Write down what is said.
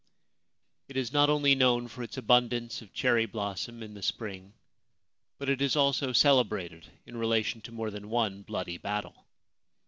It is not only known for its abundance of cherry blossom in the spring, but it is also celebrated in relation to more than one bloody battle.